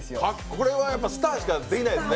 これはスターしかできないですね。